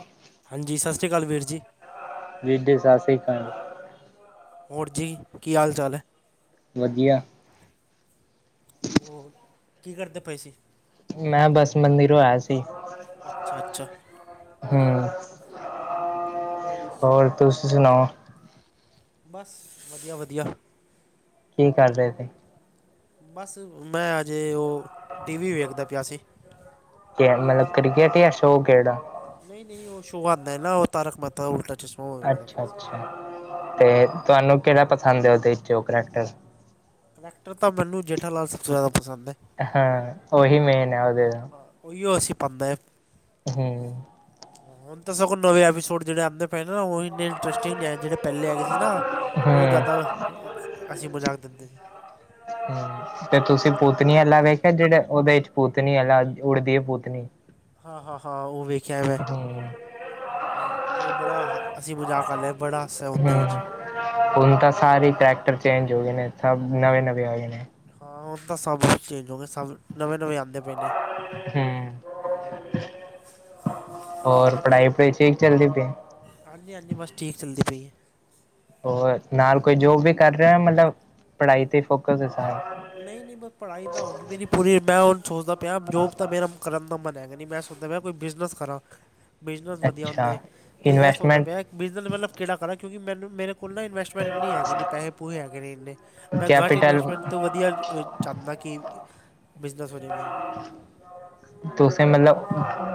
ਹ [unintelligible] ਹਾਂਜੀ, ਸਤਿ ਸ਼੍ਰੀ ਅਕਾਲ ਵੀਰ ਜੀ। ਵੀਰ ਜੀ, ਸਤਿ ਸ਼੍ਰੀ ਆਕਾਲ। ਹੋਰ ਜੀ, ਕੀ ਹਾਲ ਚਾਲ ਹੈ? ਵਧੀਆ। ਹੋਰ, ਕੀ ਕਰਦੇ ਪਏ ਸੀ? ਮੈਂ ਬਸ, ਮੰਦਿਰੋਂ ਆਇਆ ਸੀ। ਅੱਛਾ-ਅੱਛਾ। ਹੂੰ ਹੋਰ ਤੁਸੀ ਸੁਣਾਓ? ਬਸ ਵਧੀਆ-ਵਧੀਆ। ਕੀ ਕਰ ਰੇ ਸੀ? ਬਸ ਮੈਂ ਅਜੇ ਓ ਟੀ ਵੀ ਵੇਖਦਾ ਪਯਾ ਸੀ। ਕੇ ਐ ਮਤਲਬ ਕ੍ਰਿਕੇਟ ਏ ਯਾਂ ਸ਼ੋਕ ਕੇੜਾ ਨਈ-ਨਈ ਓ ਸੋਅ ਆਂਦਾ ਐ ਨਾ ਤਾਰਕ ਮੈਤਾ ਦਾ ਉਲਟਾ ਚਸਮਾ ਅੱਛਾ-ਅੱਛਾ ਤੇ ਤੁਆਨੂੰ ਕੇੜਾ ਪਸੰਦ ਏ ਓਦੇ ਚੋ ਕਰੈਕੱਟਰ ਕਰੈਕਟਰ ਤਾਂ ਮੈਨੂੰ ਜੇਠਾ ਲਾਲ ਸਬਸੇ ਜਾਂਦਾ ਪਸੰਦ ਏ। ਹਾਂ ਓਹੀ ਮੇਨ ਐ ਓਦੇ ਓਇਓ ਅਸੀਂ ਪਾਂਦੇ ਹਮ ਹੁਣ ਤਾਂ ਸਗੋਂ ਨਵੇਂ ਐਪੀਸੋਡ ਜੇੜੇ ਆਦੇ ਪੈਲਾ ਨਾ ਓ ਇੰਨੇ ਇੰਟਰਸਟਿੰਗ ਨੀ ਐ ਜੇੜੇ ਪੈਲੇ ਹੈਗੇ ਸੀ ਨਾ ਓ ਹਮ ਜਾਦਾ ਹੱਸੀ ਮਜ਼ਾਕ ਦਿੰਦੇ। [unintelligible] ਤੇ ਤੁਸੀਂ ਪੂਤਨੀ ਆਲਾ ਵੇਖਿਆ ਜੇੜਾ ਓਦੇ ਚ ਪੂਤਨੀ ਆਲਾ ਉੱੜਦੀ ਏ ਪੂਤਨੀ। ਹਾਂ-ਹਾਂ-ਹਾਂ ਓ ਵੇਖਿਆ ਏ ਮੈਂ। ਹਮ ਓ ਬੜਾ ਹੱਸੀ-ਮਜ਼ਾਕ ਆਲਾ ਬੜਾ ਹਾਸਾ ਉਂਹਦੇ ਹਮ ਵਿੱਚ। ਹੁਣ ਤਾਂ ਸਾਰੇ ਕਰੈਕਟਰ ਚੇਂਜ ਹੋ ਗਏ ਨੇ ਸਭ ਨਵੇਂ-ਨਵੇਂ ਆਏ ਨੇ। ਹਾਂ ਹੁਣ ਤਾਂ ਸਭ ਚੇਂਜ ਹੋਗੇ ਸਭ ਨਵੇਂ-ਨਵੇਂ ਆਂਦੇ। ਹੂੰ। ਹੋਰ ਪੜ੍ਹਾਈ-ਪੜੁਈ ਠੀਕ ਚੱਲਦੀ ਪਈ ਏ? ਹਾਂਜੀ-ਹਾਂਜੀ ਬਸ ਠੀਕ ਚੱਲਦੀ ਪਈ ਏ। ਹੋਰ ਨਾਲ ਕੋਈ ਜੋਬ ਵੀ ਕਰ ਰਏ ਓ ਯਾ ਮਤਲਬ ਪੜ੍ਹਾਈ ਤੇ ਫੋਕਸ ਏ ਸਾਰਾ ਨਈ-ਨਈ ਬਸ ਪੜ੍ਹਾਈ ਤਾਂ ਹੁਣ ਵੀ ਨੀ ਪੂਰੀ ਹੋਈ ਮੈ ਹੁਣ ਸੋਚਦਾ ਪਯਾ ਜੋਬ ਤਾਂ ਮੇਰਾ ਕਰਨ ਦਾ ਮਨ ਹੈਗਾ ਨੀ ਮੈਂ ਸੋਚ ਦਾ ਪਯਾ ਕੋਈ ਬਿਜ਼ਨਸ ਕਰਾਂ। ਬਿਜ਼ਨਸ ਵਧੀਆ ਹੁੰਦਾ ਅੱਛਾ ਏ ਤੇ ਐ ਸੋਚਦਾ ਇਨਵੈਸਟਮੈਂਟ ਪਯਾ ਬਿਜ਼ਨਸ ਮਤਲਬ ਕੇੜਾ ਕਰਾਂ ਕਿਉਂਕਿ ਮੈਨੂੰ ਮੇਰੇ ਕੋਲ ਨਾ ਇਨਵੈਸਟ ਇੰਨੀ ਹੈਗੀ ਨੀ ਪੈਹੇ-ਪੂਹੇ ਹੈਗੇ ਨੀ ਇਨੇ ਮੈਂ ਘੱਟ ਕੈਪੀਟਲ ਇਨਵੈਸਟਮੈਂਟ ਤੋਂ ਵਧੀਆ ਚਾੰਣਾ ਕਿ ਬਿਜ਼ਨਸ ਹੋਜੇ ਮੇਰਾ। ਤੁਸੀ ਮਤਲਬ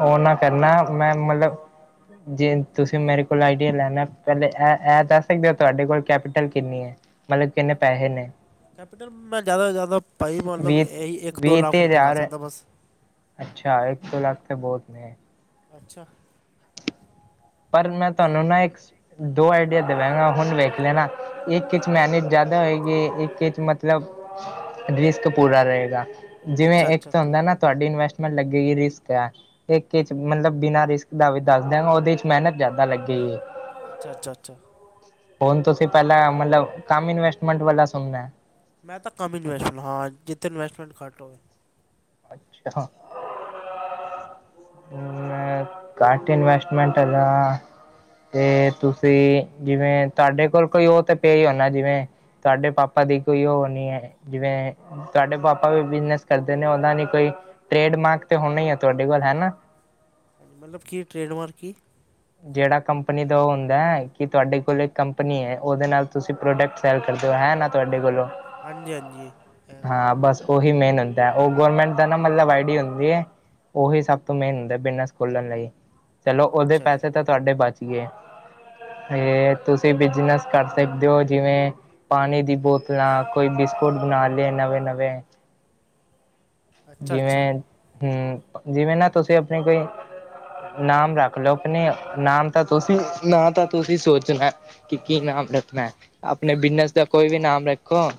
ਓ ਨਾ ਕਰਨਾ ਮੈਂ ਮਤਲਬ ਜੇ ਤੁਸੀਂ ਮੇਰੇ ਕੋਲ ਆਈਡੀਆ ਲੈਣਾ ਪੈਲੇ ਐ ਐ ਦੱਸ ਸਕਦੇ ਹੋ ਤੁਆਡੇ ਕੋਲ ਕੈਪੀਟਲ ਕਿੰਨੀ ਏ? ਮਤਲ ਕਿੰਨੇ ਪੈਹੇ ਨੇ? ਕੈਪੀਟਲ ਮੈਂ ਜਾਦਾ ਤੋਂ ਜਾਦਾ ਭਾਈ ਮਤਲਬ ਵੀਹ ਐਹੀ ਇੱਕ-ਦੋ ਵੀਹ ਲਾੱਖ ਰੁਪਏ ਲਾ ਸਕਦਾ ਬਸ। ਸ਼ਾਇਕ ਇਕ-ਕੋ ਲੱਖ ਤੇ ਬੋਤ ਨੇ। ਅੱਛਾ। ਪਰ ਮੈਂ ਤਾਨੂੰ ਨਾ ਇੱਕ ਦੋ ਆਈਡੀਆ ਦੇਵਾਂਗਾ ਹੁਣ ਵੇਖ ਲੈਣਾ ਇੱਕ ਚ ਮੈਨੇਤ ਜਾਦਾ ਹੋਏਗੀ ਇੱਕ ਚ ਮਤਲਬ ਰਿਸਕ ਪੂਰਾ ਰਏਗਾ ਜਿਵੇਂ ਇੱਕ ਤਾਂ ਹੁੰਦਾ ਨਾ ਤੁਆਡੀ ਇਨਵੈਸਟਮੈਂਟ ਲੱਗੇਗੀ ਰਿਸਕ ਐ ਇੱਕ ਮਤਲਬ ਬਿਨਾਂ ਰਿਸਕ ਦਾ ਵੀ ਦੱਸ ਦਿਆਂਗਾ ਓਦੇ ਚ ਮੈਨਤ ਜ਼ਿਆਦਾ ਲੱਗੇਗੀ। ਅੱਛਾ-ਅੱਛਾ-ਅੱਛਾ। ਹੁਣ ਤੁਸੀਂ ਪੈਲਾਂ ਮਤਲਬ ਕੰਮ ਇਨਵੈਸਟਮੈਂਟ ਵਾਲਾ ਸੁਣਨਾ ਮੈਂ ਤਾਂ ਕੰਮ ਇਨਵੈਸਟੈਂ ਹਾਂ ਜਿੱਥੇ ਇਨਵੈਸਟਮੈਂਟ ਘੱਟ ਹੋਵੇ। ਅੱਛਾ। ਮੈ ਘੱਟ ਇਨਵੈਸਟਮੈਂਟ ਆਲਾ ਤੇ ਤੁਸੀਂ ਜਿਵੇਂ ਤੁਹਾਡੇ ਕੋਲ ਕੋਈ ਉਹ ਤੇ ਪੇ ਹੋਨਾ ਜਿਵੇਂ ਤੁਹਾਡੇ ਪਾਪਾ ਦੀ ਕੋਈ ਉਹ ਹੋਣੀ ਹੈ, ਜਿਵੇਂ ਤੁਹਾਡੇ ਪਾਪਾ ਵੀ ਬਿਜਨਸ ਕਰਦੇ ਨੇ ਨੀ ਕੋਈ ਟ੍ਰੇਡ ਮਾਰਕ ਤੇ ਹੋਣਾ ਹੀ ਆ ਤੁਹਾਡੇ ਕੋਲ ਹੈਨਾ। ਹਾਂਜੀ, ਮਤਲਬ ਕੀ ਟ੍ਰਰੇਡਮਾਰਕ ਕੀ? ਜਿਹੜਾ ਕੰਪਨੀ ਦਾ ਉਹ ਹੁੰਦਾ ਹੈ ਕਿ ਤੁਹਾਡੇ ਕੋਲ ਇੱਕ ਕੰਪਨੀ ਹੈ ਉਹਦੇ ਨਾਲ ਤੁਸੀਂ ਪ੍ਰੋਡਕਟ ਸੈਲ ਕਰਦੇ ਹੋ ਹੈਂ? ਹੈਨਾ। ਤੁਹਾਡੇ ਕੋਲੋਂ, ਹਾਂਜੀ ਹਾਂਜੀ ਇਹ ਹੈਗਾ। ਹਾਂ ਬਸ। ਉਹੀ ਮੇਨ ਹੁੰਦਾ ਹੈ ਉਹ ਗੌਰਮੈਂਟ ਦਾ ਨਾ ਮਤਲਬ ਆਈਡੀ ਹੁੰਦੀ ਹੈ। ਉਹੀ ਸਭ ਤੋਂ ਮੇਨ ਹੁੰਦਾ ਬਿਨਾਂ ਸਕੋਲਣ ਲਈ ਚਲੋ ਉਹਦੇ ਅੱਛਾ ਜੀ ਤਾਂ ਤੁਹਾਡੇ ਬਚ ਗਿਆ। ਤੇ ਤੁਸੀਂ ਬਿਜਨਸ ਕਰ ਸਕਦੇ ਹੋ ਜਿਵੇਂ ਪਾਣੀ ਦੀ ਬੋਤਲਾਂ ਕੋਈ ਬਿਸਕੁਟ ਬਣਾ ਲੇ ਨਵੇਂ-ਨਵੇਂ। ਅੱਛਾ ਅੱਛਾ ਜਿਵੇਂ ਤੇ ਜਿਵੇਂ ਨਾ, ਤੁਸੀਂ ਆਪਣੀ ਕੋਈ ਨਾਮ ਰੱਖ ਲਓ ਆਪਣੇ ਨਾਮ ਤਾਂ ਤੁਸੀਂ, ਨਾ ਤਾਂ ਤੁਸੀਂ ਸੋਚਣਾ। ਕਿ-ਕੀ ਨਾਮ ਰੱਖਣਾ ਹੈ ਆਪਣੇ ਬਿਜਨਸ ਦਾ ਕੋਈ ਵੀ ਨਾਮ ਰੱਖੋ।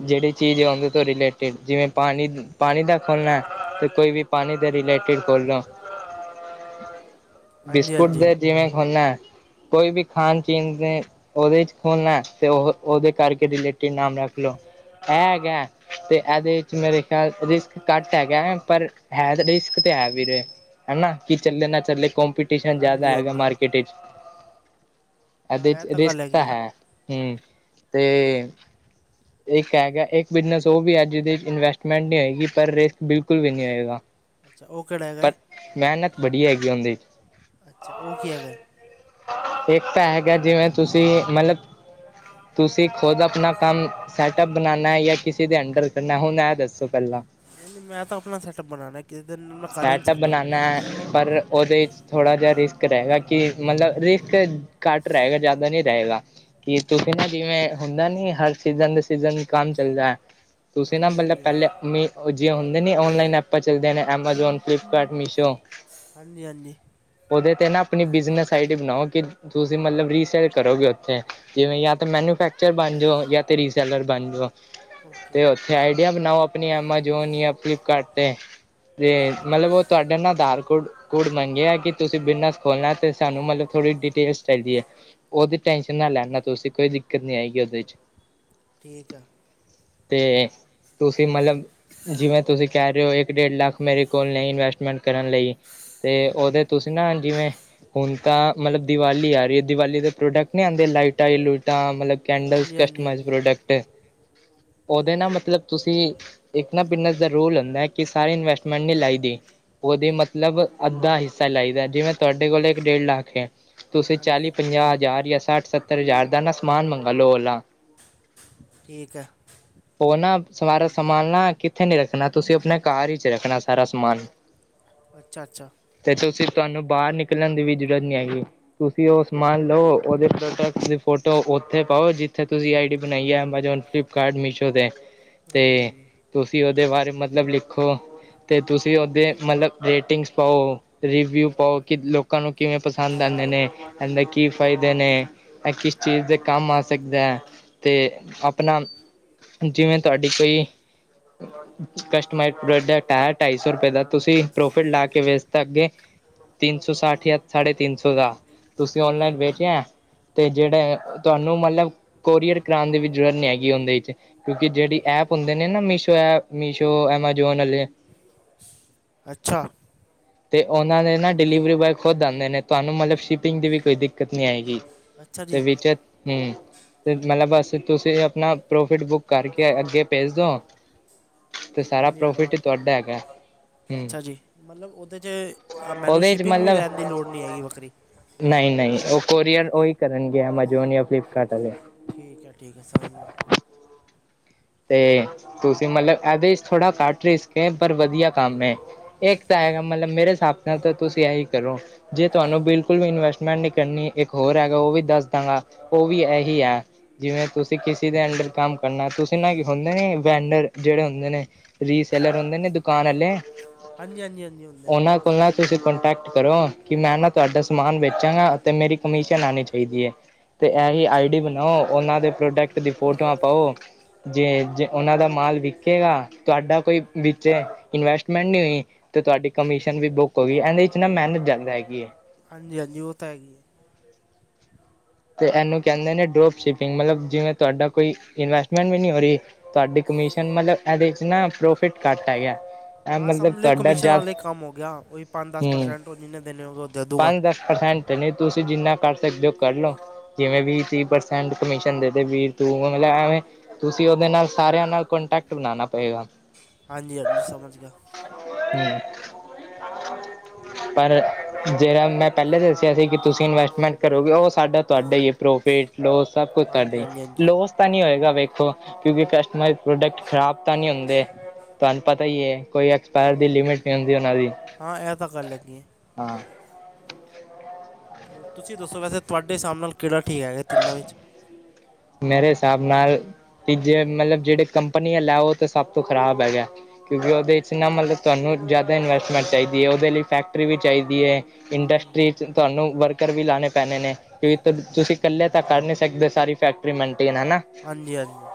ਜਿਹੜੀ ਚੀਜ਼ ਆ ਉਹਦੇ ਤੋਂ ਰਿਲੇਟਿਡ ਜਿਵੇਂ ਪਾਣੀ-ਪਾਣੀ ਦਾ ਖੋਲ੍ਹਣਾ, ਅਤੇ ਕੋਈ ਵੀ ਪਾਣੀ ਦੇ ਰਿਲੇਟਿਡ ਖੋਲ੍ਹਣਾ। ਹਾਂਜੀ ਬਿਸਕੁਟ ਹਾਂਜੀ ਦੇ ਜਿਵੇਂ ਖੋਲਨਾ ਐ, ਕੋਈ ਵੀ ਖਾਣ-ਪੀਣ ਦੇ ਉਹਦੇ ਚ ਖੋਲਣਾ ਤੇ ਉ ਉਹਦੇ ਕਰਕੇ ਰਿਲੇਟਿਢ ਨਾਮ ਰੱਖ ਲਓ। ਇਹ ਹੈਗਾ ਤੇ ਇਹਦੇ ਚ ਮੇਰੇ ਖਿਆਲ ਰਿਸ ਘੱਟ ਹੈਗਾ ਪਰ ਹੈ ਤਾਂ ਰਿਸਕ ਤੇ ਹੈ ਵੀਰੇ ਹੈਨਾ ਕਿ ਚੱਲੇ ਨਾ ਚੱਲੇ ਕੰਪਿ ਟਿਸ਼ਨ ਜ਼ਿਆਦਾ ਹਾਂਜੀ ਹੈਗਾ ਹਾਂਜੀ ਮਾਰਕੀਟ ਚ, ਹਾਂ ਇਹਦੇ ਇਹ ਚ ਰਿਸਕ ਗੱਲ ਤਾਂ ਹੈਗੀ ਹੈ। ਹੂੰ ਤੇ ਇੱਕ ਹੈਗਾ ਇੱਕ ਬਿਜਨਸ ਉ ਵੀ ਹੈ ਜਿਹਦੇ ਚ ਇਨਵੈਸਟਮੈਂਟ ਨਹੀਂ ਹੈਗੀ। ਪਰ ਰਿਸਕ ਬਿਲਕੁਲ ਵੀ ਨਹੀਂ ਹੋਏਗਾ। ਅੱਛਾ, ਉਹ ਕਿਹੜਾ? ਪਰ ਹੈ ਮੇਹਨਤ ਬੜੀ ਹੈਗੀ ਉਨਦੇ ਚ। ਅੱਛਾ ਉਹ ਕੀ ਹੈਗਾ ਹੈ ਇੱਕ ਐਪ ਹੈਗਾ, ਜਿਵੇਂ ਤੁਸੀਂ ਮਤਲਬ ਤੁਸੀਂ ਖੁਦ ਆਪਣਾ ਕੰਮ ਸੈਟਅਪ ਬਨਾਨਾ ਏ ਜਾਂ ਕਿਸੇ ਦੇ ਅੰਡਰ ਕਰਨਾ ਹੁਣ ਇਹ ਦੱਸੋ ਪਹਿਲਾਂ? ਨਹੀਂ-ਨਹੀਂ, ਮੈਂ ਤਾਂ ਆਪਣਾ ਸੈਟਪ ਬਣਾਣਾ। ਕਿਦਰ ਨੂੰ? ਸੈਟਪ ਬਨਾਨਾ, ਪਰ ਉਹਦੇ ਚ ਥੋੜਾ ਜਿਹਾ ਰਿਸਕ ਰਹੇਗਾ ਕਿ ਮਤਲਬ ਰਿਸਕ ਘੱਟ ਰਹੇਗਾ ਜ਼ਿਆਦਾ ਨਹੀਂ ਰਹੇਗਾ। ਕੀ ਤੁਸੀਂ ਨਾ ਜਿਵੇਂ ਹੁੰਦਾ ਨੀ ਹਰ ਸੀਜ਼ਨ ਦੇ ਸੀਜ਼ਨ ਕੰਮ ਚੱਲਦਾ। ਤੁਸੀਂ ਨਾ ਹਾਂਜੀ ਮਤਲਬ ਹਾਂਜੀ ਪਹਿਲੇ ਹਾਂਜੀ ਮ ਜਿਹੀ ਹੁੰਦੇ ਨੀ ਔਨਲਾਈਨ ਐਪਾਂ ਚੱਲਦੇਆਂ ਨੇ। ਐਮਾਜ਼ੋਨ, ਫਲਲੀਪਕਾਰਟ, ਮੀਸ਼ੋ। ਹਾਂਜੀ ਹਾਂਜੀ ਉਹਦੇ ਤੇ ਨਾ ਆਪਣੀ ਬਿਜਨਸ ਆਈਡੀ ਬਣਾਓ ਕਿ ਤੁਸੀਂ ਮਤਲਬ ਰੀਸੇਲ ਕਰੋਗੇ ਉੱਥੇ ਜਿਵੇਂ ਜਾਂ ਤਾਂ ਮੈਨੂਫੈਕਚਰ ਬਣ ਜਾਓ ਜਾਂ ਤਾਂ ਰੀਸੇਲਰ ਬਣ ਜਾਓ। ਓਕੇ ਤੇ ਉੱਥੇ ਆਈਡੀਆ ਬਣਾਓ ਆਪਣੀ ਐਮਾਜੋਨ ਜਾਂ ਫਲਿਪਕਾਰਟ ਤੇ। ਤੇ ਮਤਲਬ ਉਹ ਤੁਹਾਡੇ ਨਾ ਅਧਾਰਕੋਟ ਕੋਡ ਮੰਗਿਆ ਕਿ ਤੁਸੀਂ ਬਿਜਨਸ ਖੋਲਣਾ ਤੇ ਸਾਨੂੰ ਮਤਲਬ ਥੋੜ੍ਹੀ ਡਿਟੇਲਸ ਚਾਹੀਦੀ ਏ। ਉਦੀ ਟੈਨਸ਼ਨ ਨਾ ਲੈਣਾ ਤੁਸੀਂ ਕੋਈ ਦਿੱਕਤ ਨੀ ਆਏਗੀ ਉਹਦੇ ਚ। ਠੀਕ ਆ। ਤੇ ਤੁਸੀਂ ਮਤਲਬ ਜਿਵੇਂ ਤੁਸੀਂ ਕਹਿ ਰਹੇ ਹੋ ਇੱਕ-ਡੇਢ ਲੱਖ ਮੇਰੇ ਕੋਲ ਨਹੀਂ ਇਨਵੈਸਟਮੈਂਟ ਕਰਨ ਲਈ ਤੇ ਉਹਦੇ ਤੁਸੀਂ ਨਾ ਜਿਵੇਂ ਹੁਣ ਤਾਂ ਮਤਲਬ ਦੀਵਾਲੀ ਆ ਰਹੀ ਏ ਦੀਵਾਲੀ ਦੇ ਪ੍ਰੋਡਕਟ ਨਹੀਂ ਆਂਦੇ ਲਾਈਟਾਂ ਲੂਈਟਾਂ ਮਤਲਬ ਕੈਂਡਲ ਹਾਂਜੀ ਹਾਂਜੀ ਕਸਟਮਾਈਜ਼ ਹਾਂਜੀ ਪ੍ਰੋਡਕਟ ਉਹਦੇ ਨਾ ਮਤਲਬ ਤੁਸੀਂ ਇੱਕ ਨਾ ਬਿਨਸ ਦਾ ਰੋਲ ਹੁੰਦਾ ਕਿ ਸਾਰੇ ਇਨਵਸ ਪੇਮਟ ਨਹੀਂ ਲਾਈ ਦੀ ਉਹਦੇ ਮਤਲਬ ਅੱਧਾ ਹਿੱਸਾ ਲਾਈ ਦਾ ਜਿਵੇਂ ਤੁਹਾਡੇ ਕੋਲ ਇੱਕ ਡੇਢ ਲੱਖ ਏ। ਤੁਸੀਂ ਚਾਲੀ, ਹਾਂਜੀ ਪੰਜਾਹ ਹਜ਼ਾਰ ਜਾਂ ਸੱਠ, ਸੱਤਰ ਹਜ਼ਾਰ ਦਾ ਨਾ ਸਮਾਨ ਮੰਗ ਲਓ ਉਦਾ ਠੀਕ ਆ। ਉਹ ਨਾ ਸਾਰਾ ਸਮਾਨ ਨਾ ਕਿੱਥੇ ਨੀ ਰੱਖਣਾ ਤੁਸੀਂ ਆਪਣੇ ਘਰ ਹੀ ਚ ਰੱਖਣਾ ਸਾਰਾ ਸਮਾਨ ਅੱਛਾ- ਅੱਛਾ। ਤੇ ਤੁਸੀਂ ਤੁਹਾਨੂੰ ਬਾਹਰ ਨਿਕਲਣ ਦੀ ਵੀ ਜ਼ਰੂਰਤ ਨੀ ਹੈਗੀ। ਤੁਸੀਂ ਉਹ ਸਮਾਨ ਲਓ ਉਹਦੇ ਪ੍ਰੋਡਕਟ ਦੀ ਫੋਟੋ ਉੱਥੇ ਪਾਓ ਜਿੱਥੇ ਤੁਸੀਂ ਆਈ ਡੀ ਬਣਾਈਏ ਐਮਾਜੋਨ ਫਲੀਪ ਕਾਡ ਮਿਸ਼ੋ ਦੇ ਤੇ ਹਾਂਜੀ ਹਾਂਜੀ ਤੁਸੀਂ ਉਹਦੇ ਬਾਰੇ ਮਤਲਬ ਲਿਖੋ। ਤੇ ਤੁਸੀਂ ਉਹਦੇ ਮਤਲਬ ਰੇਟਿੰਗਸ ਪਾਓ। ਰਿਵਿਊ ਪਾਓ ਕਿ ਲੋਕਾਂ ਨੂੰ ਕਿਵੇਂ ਪਸੰਦ ਆਂਦੇ ਨੇ ਇਹਦੇ ਕੀ ਫਾਇਦੇ ਨੇ ਇਹ ਕਿਸ ਚੀਜ਼ ਦੇ ਕੰਮ ਆ ਸਕਦਾ ਏ ਤੇ ਆਪਣਾ ਜਿਵੇਂ ਤੁਹਾਡੀ ਕੋਈ ਕਸਟਮਾਈ ਪ੍ਰੋਡਕਟ ਢਾਈ ਸੌ ਰੁਪਏ ਦਾ ਤੁਸੀਂ ਪ੍ਰੋਫਿਟ ਲਾ ਕੇ ਵੇਚ ਤਾਂ ਅੱਗੇ ਤਿੰਨ ਸੌ ਸੱਠ ਜਾਂ ਸਾਢੇ ਤਿੰਨ ਸੌ ਦਾ ਤੁਸੀਂ ਹਾਂਜੀ ਓਨਲਾਈਨ ਹਾਂਜੀ ਵੇਚੇ ਐ ਤੇ ਜਿਹੜੇ ਤੁਹਾਨੂੰ ਮਤਲਬ ਕੋਰੀਅਰ ਕਰਾਉਣ ਦੀ ਵੀ ਜ਼ਰੂਰਤ ਨੀ ਆਏਗੀ ਉਹਦੇ ਚ ਕਿਉਂਕਿ ਜਿਹੜੀ ਐਪ ਹੁੰਦੇ ਨੇ ਨਾ ਮੀਸ਼ੋ ਐਪ ਮੀਸ਼ੋ ਐਮਾਜੋਨ ਆਲੇ ਅੱਛਾ। ਤੇ ਉਹਨਾਂ ਦੇ ਨਾ ਡਿਲੀਵਰੀ ਬੋਏ ਖੁਦ ਆਂਦੇ ਨੇ ਤੁਹਾਨੂੰ ਮਤਲਬ ਸ਼ਿਪਿੰਗ ਦੀ ਵੀ ਕੋਈ ਦਿੱਕਤ ਨਹੀਂ ਆਏਗੀ। ਅੱਛਾ ਤੇ ਜੀ ਵਿੱਚ ਹੂੰ ਤੇ ਮਤਲਬ ਬਸ ਤੁਸੀਂ ਆਪਣਾ ਪ੍ਰੋਫਿਟ ਬੁੱਕ ਕਰਕੇ ਅੱਗੇ ਭੇਜ ਦੋ ਤੇ ਸਾਰਾ ਹਾਂਜੀ ਹਾਂਜੀ ਪ੍ਰੋਫਿਟ ਹੀ ਤੁਹਾਡਾ ਹੈਗਾ। ਹਮ ਅੱਛਾ ਜੀ, ਮਤਲਬ ਉਹਦੇ ਚ ਮੈਨੂੰ ਉਹਦੇ ਚ ਸ਼ਿਪਿੰਗ ਵੀ ਮਤਲਬ ਲੈਣ ਦੀ ਲੋੜ ਨਹੀਂ ਹੈਗੀ ਵੱਖਰੀ। ਨਹੀਂ, ਨਹੀਂ ਉਹ ਕੋਰੀਅਰ ਉਹੀ ਕਰਨਗੇ ਐਮਾਜੋਨ ਜਾਂ ਫਲਿਪਕਾਰਟ ਆਲੇ। ਠੀਕ ਏ- ਠੀਕ ਏ ਸਮਝ ਗਿਆ। ਤੇ ਤੁਸੀਂ ਮਤਲਬ ਇਹਦੇ ਚ ਥੋੜ੍ਹਾ ਘੱਟ ਰਿਸਕ ਏ ਪਰ ਵਧੀਆ ਕੰਮ ਏ। ਇੱਕ ਤਾਂ ਹੈਗਾ ਮਤਲਬ ਮੇਰੇ ਹਿਸਾਬ ਨਾਲ ਤਾਂ ਤੁਸੀਂ ਇਹੀ ਕਰੋ। ਜੇ ਤੁਹਾਨੂੰ ਬਿਲਕੁਲ ਵੀ ਇਨਵੈਸਟਮੈਂਟ ਨੀ ਕਰਨੀ ਇੱਕ ਹੋਰ ਹੈਗਾ ਉਹ ਵੀ ਦੱਸ ਦਾਂਗਾ। ਉਹ ਵੀ ਇਹੀ ਏ ਜਿਵੇਂ ਤੁਸੀਂ ਕਿਸੇ ਦੇ ਅੰਡਰ ਕੰਮ ਕਰਨਾ ਤੁਸੀਂ। ਜਿਨਾਂ ਕਿ ਹੁੰਦੇ ਨੇ ਵੈਂਡਰ ਜਿਹੜੇ ਹੁੰਦੇ ਨੇ ਰੀਸੇਲਰ ਹੁੰਦੇ ਨੇ ਦੁਕਾਨ ਆਲੇ। ਹਾਂਜੀ, ਹਾਂਜੀ, ਹਾਂਜੀ ਹੁੰਦੇ। ਉਨ੍ਹਾਂ ਨਾਲ ਤੁਸੀਂ ਕੋਂਟੈਕਟ ਕਰੋ ਕਿ ਮੈਂ ਨਾ ਤੁਹਾਡਾ ਸਮਾਨ ਵੇਚਾਂਗਾ ਅਤੇ ਮੇਰੀ ਕਮਿਸ਼ਨ ਆਣੀ ਚਾਹੀਦੀ ਏ। ਤੇ ਇਹੀ ਆਈ ਅੱਛਾ ਡੀ ਬਣਾਓ ਉਹਨਾਂ ਦੇ ਪ੍ਰੋਡਕਟ ਦੀ ਫੋਟੋਆਂ ਪਾਓ। ਜੇ ਜੇ ਉਹਨਾਂ ਦਾ ਮਾਲ ਵਿਕੇਗਾ ਤੁਹਾਡਾ ਕੋਈ ਵਿੱਚੇ ਇਨਵੈਸਟਮੈਂਟ ਨਹੀਂ ਹੋਈ ਤੇ ਤੁਹਾਡੀ ਕਮਿਸ਼ਨ ਵੀ ਬੁੱਕ ਹੋ ਗਈ ਇਹਦੇ ਚ ਨਾ ਮਿਹਨਤ ਜਿਆਦਾ ਹੈਗੀ ਏ। ਹਾਂਜੀ, ਹਾਂਜੀ ਉਹ ਤਾਂ ਹੈਗੀ ਏ। ਤੇ ਇਹਨੂੰ ਕਹਿੰਦੇ ਨੇ ਡਰੋਪ ਸ਼ਿਪਿੰਗ ਮਤਲਬ ਜਿਵੇਂ ਤੁਹਾਡਾ ਕੋਈ ਇਨਵੈਸਟਮੈਂਟ ਵੀ ਨਹੀਂ ਹੋ ਰਹੀ। ਤੁਹਾਡੀ ਕਮਿਸ਼ਨ ਮਤਲਬ ਇਹਦੇ ਚ ਨਾ ਪ੍ਰੋਫਿਟ ਘੱਟ ਹੈਗਾ। ਇਹ ਹਾਂ ਮਤਲਬ ਸਮਝ ਲਓ ਤੁਹਾਡਾ ਕਮਿਸ਼ਨ ਜਦ ਵਾਲੇ ਹੀ ਕੰਮ ਹੋ ਗਿਆ ਉਈ ਪੰਜ ਦਸ ਹੂੰ ਪ੍ਰਸੈਂਟ ਉਹ ਜਿੰਨੇ ਦੇਣੇ ਹੋਗੇ ਉਹ ਦੇਦੂਗਾ। ਪੰਜ-ਦਸ ਪਰਸੈਂਟ ਨਹੀਂ ਤੁਸੀਂ ਜਿੰਨਾ ਕਰ ਸਕਦੇ ਹੋ ਕਰ ਲਓ। ਜਿਵੇਂ ਵੀਹ, ਤੀਹ ਪਰਸੈਂਟ ਕਮਿਸ਼ਨ ਦੇ ਵੀਰ ਤੂੰ ਐਵੇਂ। ਤੁਸੀਂ ਉਹਦੇ ਨਾਲ ਸਾਰਿਆਂ ਨਾਲ ਕੋਂਟੈਕਟ ਬਣਾਉਣਾ ਪਏਗਾ। ਹਾਂਜੀ-ਹਾਂਜੀ ਸਮਝ ਗਿਆ। ਪਰ ਜੇਰਾ ਮੈਂ ਪੈਲੇ ਦੱਸਿਆ ਸੀ ਕਿ ਤੁਸੀਂ ਇਨਵੈਸਟਮੈਂਟ ਕਰੋਗੇ, ਓ ਸਾਡਾ ਤੁਆਡਾ ਈ ਐ, ਪ੍ਰੋਫਿਟ ਲੋਸ ਸਭ ਕੁਛ ਤੁਆਡਾ ਹਾਂਜੀ ਈ, ਹਾਂਜੀ ਹਾਂਜੀ ਲੋਸ ਤਾਂ ਨੀ ਹੋਏਗਾ ਵੇਖੋ ਕਿਉਂਕਿ ਕਸਟਮ ਪ੍ਰੋਡਕਟ ਖਰਾਬ ਤਾਂ ਨਈ ਹੁੰਦੇ। ਤੁਆਨੂੰ ਪਤਾ ਈ ਏ, ਕੋਈ ਐਕਸਪਾਇਰ ਹਾਂਜੀ ਦੀ ਹਾਂਜੀ ਲਿਮਿਟ ਨਈ ਹੁੰਦੀ ਓਨਾਂ ਦੀ। ਹਾਂ ਇਹ ਤਾਂ ਗੱਲ ਹੈਗੀ ਹੈ ਹਾਂ। ਹੋਰ ਤੁਸੀਂ ਦੱਸੋ, ਵੈਸੇ ਤੁਹਾਡੇ ਹਿਸਾਬ ਨਾਲ ਕੇੜਾ ਠੀਕ ਹੈਗਾ ਤਿੰਨਾਂ ਵਿੱਚ ਮੇਰੇ ਹਿਸਾਬ ਨਾਲ ਤੀ ਜੇ ਮਤਲਬ ਜੇੜੇ ਕੰਪਨੀ ਆਲਾਓ ਤੇ ਉਹ ਤਾਂ ਸਭ ਤੋਂ ਖ਼ਰਾਬ ਹੈਗਾ। ਕਿਉਂਕਿ ਓਦੇ ਚ ਨਾ ਮਤਲਬ ਤੁਆਨੂੰ ਜਾਦਾ ਇਨਵੈਸਟਮੈਂਟ ਚਾਹੀਦੀ ਏ, ਓਦੇ ਲਈ ਫੈਕਟਰੀ ਵੀ ਚਾਹੀਦੀ ਏ। ਇੰਡਸਟਰੀ ਚ ਤੁਆਨੂੰ ਵਰਕਰ ਵੀ ਲਾਣੇ ਪੈਣੇ ਨੇ ਕਿ ਤੁਸੀਂ ਕੱਲੇ ਤਾਂ ਕਰ ਨੀ ਸਕਦੇ ਸਾਰੀ ਫੈਕਟਰੀ ਮੇਨਟੇਨ ਹੈਨਾ। ਹਾਂਜੀ-ਹਾਂਜੀ।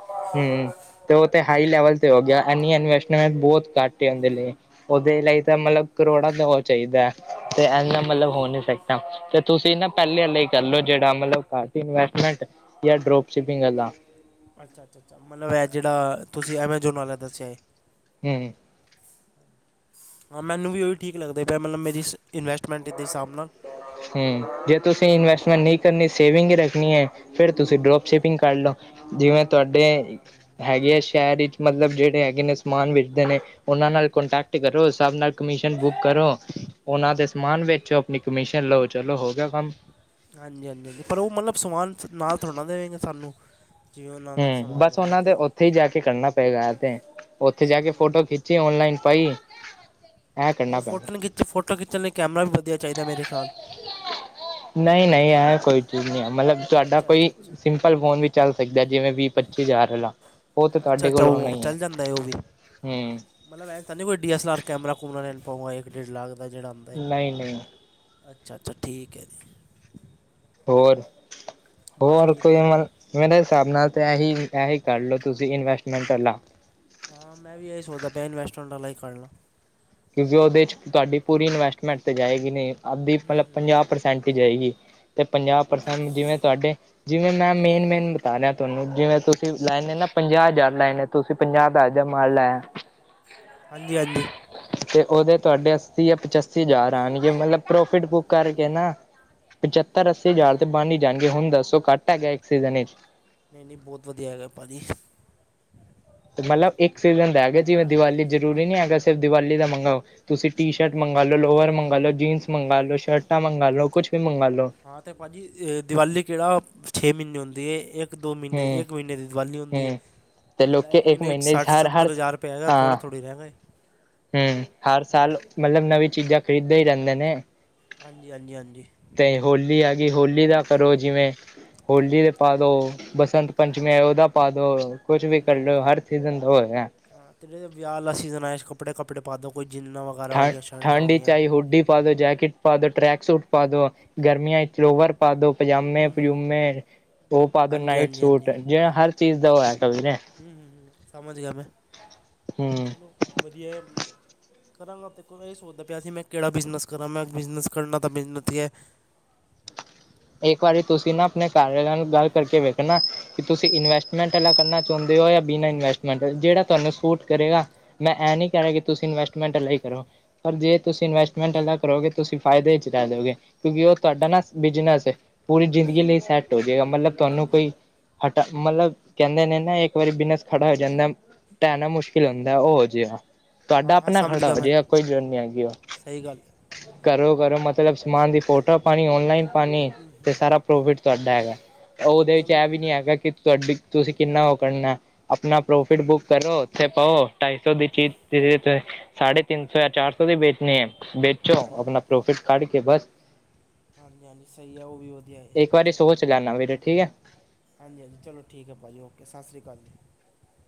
ਤੇ ਓਹ ਤੇ ਹਾਈ ਲੈਵਲ ਤੇ ਹੋ ਗਿਆ, ਐਨੀ ਇਨਵੈਸਟਮੈਂਟ ਬੋਤ ਘੱਟ ਓਨਦੇ ਲਈ। ਓਦੇ ਲਈ ਤਾਂ ਮਤਲਬ ਕਰੋੜਾਂ ਦਾ ਓਹ ਚਾਈਦਾ‌‌ ਐ। ਤੇ ਹੂੰ ਏਨਾ ਹੂੰ ਮਤਲਬ ਹੂੰ ਹੋ ਨੀ ਸਕਦਾ ਤੇ ਤੁਸੀਂ ਨਾ ਪੈਲੇ ਆਲਾ ਹੀ ਕਰ ਲਓ ਜੇੜਾ ਮਤਲਬ ਘੱਟ ਇਨਵੇੈਸਟਮੈਂਟ ਜਾਂ ਡਰੋਪ ਸ਼ਿਪਿੰਗ ਆਲਾ ਅੱਛਾ-ਅੱਛਾ-ਅੱਛਾ ਮਤਲਬ ਏਹ ਜੇੜਾ ਤੁਸੀਂ ਐਮਾਜੋਨ ਵਾਲਾ ਦੱਸਿਆ ਏ। ਹੂੰ। ਹਾਂ ਮੈਨੂੰ ਵੀ ਓਹੀ ਠੀਕ ਲੱਗਦਾ ਪਿਆ ਮਤਲਬ ਮੇਰੀ ਇਨਵੈਸਟਮੈਂਟ ਦੇ ਹਿਸਾਬ ਨਾਲ। ਹੂੰ, ਜੇ ਤੁਸੀਂ ਇਨਵੈਸਟਮੈਂਟ ਨੀ ਕਰਨੀ ਸੇਵਿੰਗ ਹੀ ਰੱਖਣੀ ਐ। ਫੇਰ ਤੁਸੀਂ ਡਰੋਪ ਸ਼ਿਪਿੰਗ ਕਰ ਲਓ ਜਿਵੇਂ ਤੁਹਾਡੇ ਹੈਗੇ ਆ ਸ਼ਹਿਰ ਇੱਚ ਮਤਲਬ ਜੇੜੇ ਹੈਗੇ ਨੇ ਸਮਾਨ ਵੇਚਦੇ ਨੇ ਉਨਾਂ ਨਾਲ ਕੋਂਟੈਕਟ ਕਰੋ, ਸਭ ਨਾਲ ਕਮਿਸ਼ਨ ਬੁੱਕ ਕਰੋ, ਉਹਨਾਂ ਦੇ ਸਮਾਨ ਵੇਚੋ ਆਪਣੀ ਕਮਿਸ਼ਨ ਚੱਲੋ-ਚੱਲੋ ਹੋ ਗਿਆ ਕਮ। ਹਾਂਜੀ-ਹਾਂਜੀ-ਹਾਂਜੀ ਪਰ ਓ ਮਤਲਬ ਸਮਾਨ ਨਾਲ ਥੋੜ੍ਹਣਾ ਦੇਵੇਂਗਾ ਸਾਨੂੰ। ਜਿ ਉਨੂੰ ਸਮਾਨ ਹੋ ਗਿਆ ਤੇ ਓਥੇ ਹੀ ਜਾ ਕੇ ਕਰਨਾ ਪਏਗਾ, ਤੇ ਓਥੇ ਅੱਛਾ ਜਾ ਕੇ ਮਤਲਬ ਫੋਟੋ ਖਿੱਚੀ ਓਨਲਾਈਨ ਪਾਈ ਇਹ ਕਰਨਾ ਓ ਪੈਣਾ ਫੋਟੋ ਨੀ ਖਿੱਚੀ, ਫੋਟੋ ਖਿੱਚਣ ਲਈ ਕੈਮਰਾ ਵਧੀਆ ਚਾਈਦਾ ਮੇਰੇ ਖਿਆਲ ਨਈ-ਨਈ ਏਹ ਕੋਈ ਚੀਜ਼ ਨਈ ਏ ਮਤਲਬ ਤੁਆਡਾ ਅੱਛਾ ਕੋਈ ਅੱਛਾ ਅੱਛਾ ਸਿੰਪਲ ਫੋਨ ਵੀ ਚੱਲ ਸਕਦਾ, ਜਿਵੇਂ ਵੀਹ ਪੱਚੀ ਹਜ਼ਾਰ ਆਲਾ। ਅੱਛਾ-ਅੱਛਾ, ਓ ਚੱਲ ਜਾਂਦਾ ਓਵੀ। ਹਮ ਮਤਲਬ ਤਾਂ ਨੀ ਕੋਈ ਡੀ ਐਸਲ ਆਰ ਕੈਮਰਾ ਘੁੰਮਣਾ ਲੈਣ ਪਾਊਗਾ ਇੱਕ ਡੇ ਲੱਖ ਦਾ ਜੇੜਾ। ਨਈ-ਨਈ। ਅੱਛਾ-ਅੱਛਾ, ਠੀਕ ਐ ਜੀ। ਹੋਰ ਬਸ ਹੋਰ ਠੀਕ ਕੋਈ ਠਾਕ ਜੀ [unintelligible] ਮੇਰੇ ਹਿਸਾਬ ਨਾਲ ਤਾਂ ਏਹੀ-ਏਹੀ ਕਰ ਲਓ ਤੁਸੀਂ ਇਨਵੈਸਟਮੈਂਟ ਆਲਾ। ਹਾਂ ਮੈਂ ਵੀ ਏਹੀ ਸੋਚਦਾ ਪਿਆ, ਇਨਵੈਸਟਮੈਂਟ ਆਲਾ ਹੀ ਕਰਲਾ। ਕਿਉਂਕਿ ਓਦੇ ਚ ਤੁਆਡੀ ਪੂਰੀ ਇਨਵੈਸਟਮੈਂਟ ਤੇ ਜਾਏਗੀ ਨੀ ਅੱਧੀ ਮਤਲਬ ਪੰਜਾਹ ਪ੍ਰਸੈਂਟ ਜਾਏਗੀ। ਤੇ ਪੰਜਾਹ ਪ੍ਰਸੈਂਟ ਜਿਵੇਂ ਤੁਆਡੇ ਜਿਵੇਂ ਮੈਂ ਮੇਨ-ਮੇਨ ਬਤਾ ਰਿਹਾ, ਤੁਆਨੂੰ ਜਿਵੇਂ ਤੁਸੀਂ ਲੈਣੇ ਨਾ ਪੰਜਾਹ ਹਜ਼ਾਰ ਲੈਏ ਨੇ ਤੁਸੀਂ ਪੰਜਾਹ ਹਜਾਰ ਦਾ ਮਾਲ ਲਾਇਆ। ਹਾਂਜੀ-ਹਾਂਜੀ। ਤੇ ਓਦੇ ਤੁਆਡੇ ਅੱਸੀ ਜਾਂ ਪਚਾਸੀ ਹਜ਼ਾਰ ਆਣਗੇ ਮਤਲਬ ਪ੍ਰੋਫਿਟ ਬੁੱਕ ਕਰਕੇ ਨਾ ਪਚੱਤਰ-ਅੱਸੀ ਹਜ਼ਾਰ ਤੇ ਬੰਣ ਹੀ ਜਾਣਗੇ ਹੁਣ ਦੱਸੋ, ਘੱਟ ਹੈਗਾ ਇੱਕ ਸੀਜ਼ਨ ਵਿੱਚ। ਨਹੀਂ-ਨਹੀਂ, ਬਹੁਤ ਵਧੀਆ ਹੈਗਾ ਭਾਜੀ। ਤੇ ਮਤਲਬ ਇੱਕ ਸੀਜ਼ਨ ਦਾ ਹੈਗਾ, ਜਿਵੇਂ ਦੀਵਾਲੀ ਜ਼ਰੂਰੀ ਨਹੀਂ ਹੈਗਾ, ਸਿਰਫ ਦੀਵਾਲੀ ਦਾ ਮੰਗਾਓ। ਤੁਸੀਂ ਟੀ-ਸ਼ਰਟ ਮੰਗਵਾਲੋ, ਲੋਵਰ ਮੰਗਵਾ‌ਲੋ, ਜੀਨਸ ਮੰਗਵਾਲੋ, ਸ਼ਰਟਾਂ ਮੰਗਵਾਲੋ, ਕੁਛ ਵੀ ਮੰਗਵਾ ਲੋ। ਹਾਂ, ਤੇ ਭਾਜੀ ਦਿਵਾਲੀ ਕਿਹੜਾ ਛੇ ਮਹੀਨੇ ਹੁੰਦੀ ਏ, ਇਹ ਦੋ ਮਹੀਨੇ ਹਮ ਇੱਕ ਮਹੀਨੇ ਦੀ ਦੀਵਾਲੀ ਹੁੰਦੀ ਏ। ਹਮ ਤੇ ਅਤੇ ਜਿਹੜਾ ਲੋਕੀ ਇੱਕ ਮਹੀਨੇ 'ਚ ਸੱਠ, ਹਰ ਹਰ ਸੱਤਰ ਹਜ਼ਾਰ ਰੁਪਇਆ ਹੈਗਾ ਥੋੜਾ ਥੋੜੀ ਹੈਗਾਏ। ਹੂੰ, ਹਰ ਸਾਲ ਮਤਲਬ ਨਵੀਂ ਚੀਜ਼ਾਂ ਖਰੀਦਦੇ ਹੀ ਰਹਿੰਦੇ ਨੇ। ਹਾਂਜੀ ਹਾਂਜੀ ਹਾਂਜੀ ਤੇ ਹੋਲੀ ਆਗੀ, ਹੋਲੀ ਦਾ ਹੂੰ ਕਰੋ ਜਿਵੇਂ ਹੋਲੀ ਦੇ ਪਾ ਦਉ, ਬਸੰਤ ਪੰਚਮੀ ਆਈ ਉਹਦਾ ਪਾ ਦਉ। ਕੁਛ ਵੀ ਹੂੰ ਹੂੰ ਕਰਲੋ, ਹਰ ਸੀਜ਼ਨ ਤੋਂ ਹੋਇਆ। ਹਾਂ, ਤੇੜ ਵਿਆਹਾ ਵਾਲਾ ਸੀਜ਼ਨ ਆਇਆ, ਕੱਪੜੇ-ਕੱਪੜੇ ਪਾਦੋ ਕੋਈ ਜਿੰਨਾ ਵ ਠ ਠੰਡ'ਚ ਆਈ ਹੁੱਡੀ ਪਾਦੋ, ਜੈਕੇਟ ਪਾਦੋ, ਟਰੈਕ ਸੂਟ ਪਾਦੋ, ਗਰਮੀਆਂ'ਚ ਲੋਵਰ ਪਾਦੋ, ਹੂੰ ਹੂੰ ਪਜਾਮੇ-ਪਜੂਮੇ ਉਹ ਪਾਦੋ ਹਾਂਜੀ ਨਾਈਟ ਹਾਂਜੀ ਹਾਂਜੀ ਸੂਟ। ਜਿਵੇਂ ਹਰ ਚੀਜ਼ ਦਾ ਉਹ ਹੈ ਕ [unintelligible] ਹੂੰ, ਹੂੰ, ਹੂੰ ਸਮਾਝ ਗਿਆ ਮੈਂ, ਹੂੰ ਵਧੀਆ ਐ। ਕਰਾਂਗਾ ਦੇਖੋ, ਮੈਂ ਇਹ ਸੋਚਦਾ ਪਿਆ ਸੀ ਮੈਂ ਕਿਹੜਾ ਬਿਜਨਸ ਕਰਾਂ ''ਮੈਂ ਬਿਜ਼ਨਸ ਕਰਨਾ ਤਾਂ ਬਿਜਨਸ ਹੀ ਹੈ। ਇੱਕ ਵਾਰੀ ਤੁਸੀਂ ਨਾ ਆਪਣੇ ਘਰ, ਉਹਨਾਂ ਨਾਲ ਗੱਲ ਕਰਕੇ ਵੇਖਨਾ। ਕਿ ਤੁਸੀਂ ਇਨਵੈਸਟਮੈਂਟ ਵਾਲਾ ਕਰਨਾ ਚਾਹੁੰਦੇ ਹੋ, ਯਾ ਬਿਨਾਂ ਇਨਵੈਸਟਮੈਂਟ, ਜਿਹੜਾ ਤੁਹਾਨੂੰ ਸੂਟ ਕਰੇਗਾ। ''ਮੈਂ ਐ ਨਹੀਂ ਕਹਿ ਰਿਹਾ, ਕਿ ਤੁਸੀਂ ਇਨਵੈਸਟਮੈਂਟ ਵਾਲਾ ਈ ਕਰੋ। ਪਰ ਜੇ ਤੁਸੀਂ ਇਨਵੈਸਟਮੈਂਟ ਕਰੋਗੇ ਤੁਸੀਂ ਫਾਇਦੇ'ਚ ਰਹਿਜੋਗੇ, ਕਿਉਂਕਿ ਉਹ ਤੁਹਾਡਾ ਨਾ ਬਿਜਨਸ ਪੂਰੀ ਜ਼ਿੰਦਗੀ ਲਈ ਸੈੱਟ ਹੋਜੇਗਾ, ਮਤਲਬ ਤੁਹਾਨੂੰ ਹਾਂਜੀ ਹਾਂਜੀ ਕੋਈ ਹਟਾ, ਮਤਲਬ ਕਹਿੰਦੇ ਨੇ ਨਾ ਇੱਕ ਵਾਰੀ ਬਿਨਸ ਖੜਾ ਹੋ ਜਾਂਦਾ ਢੈਣਾ ਮੁਸ਼ਕਿਲ ਹੁੰਦਾ, ਉਹ ਜਿਹਾ। ਤੁਹਾਡਾ ਹਾਂ ਹਾਂ ਆਪਣਾ ਸਮਝ ਖੜਾ ਗਿਆ ਮੈਂ ਹੋਜੇ ਗਾ, ਕੋਈ ਜ਼ਰੂਰਤ ਨੀ ਹੈਗੀ ਉਹ। ਸਹੀ ਗੱਲ ਘਰੋ-ਘਰੋ ਮਤਲਬ ਸਮਾਨ ਦੀ ਫੋਟੋ ਪਾਣੀ, ਔਨਲਾਈਨ ਪਾਣੀ, ਤੇ ਸਾਰਾ ਪ੍ਰੋਫਿਟ ਤੁਹਾਡਾ ਹੈਗਾ, ਉਹਦੇ ਵਿੱਚ ਚਲੋ ਐਵੀ ਨੀ ਹੈਗਾ ਕਿ ਤੁਹਾਡੀ, ਤੁਸੀਂ ਕਿੰਨਾ ਉਹ ਕਰਨਾ ਅਪਨਾ ਪ੍ਰੋਫਿਟ ਬੁੱਕ ਕਰੋ, ਉੱਥੇ ਪਾਓ, ਢਾਈ-ਸੌ ਦੀ ਚੀਜ਼ ਸਾਢੇ ਤਿੰਨ-ਸੌ ਯਾ ਚਾਰ-ਸੌ ਦੇ ਵੇਚਣੇ, ਵੇਚੋ ਹਾਂਜੀ ਆਪਣਾ ਪ੍ਰੋਫਿਟ ਕੱਢਕੇ ਬਸ। ਹਾਂਜੀ-ਹਾਂਜੀ, ਸਹੀ ਆ ਉਹ ਵੀ ਵਧੀਆ ਏ, ਇੱਕ ਵਾਰੀ ਚਲੋ। ਸੋਚ ਲੈਣਾ ਵੀਰੇ ਠੀਕ ਹੈ ਹਾਂਜੀ-ਹਾਂਜੀ, ਚਲੋ ਠੀਕ ਹੈ ਭਾਜੀ, ਓਕੇ, ਸਤਿ ਸ਼੍ਰੀ ਅਕਾਲ ਜੀ।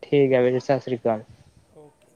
ਠੀਕ ਐ ਵੀਰ ਜੀ, ਸਤਿ ਸ਼੍ਰੀ ਅਕਾਲ। ਓਕੇ।